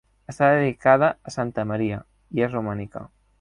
Està dedicada a santa Maria, i és romànica.